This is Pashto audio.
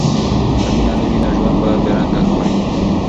که مینه نه وي، نو ژوند بې رنګه ښکاري.